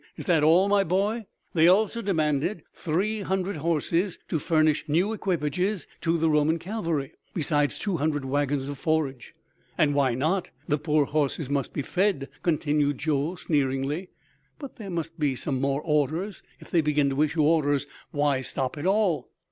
Is that all, my boy?" "They also demanded three hundred horses to furnish new equipages to the Roman cavalry, besides two hundred wagons of forage." "And why not? The poor horses must be fed," continued Joel sneeringly. "But there must be some more orders. If they begin to issue orders, why stop at all?"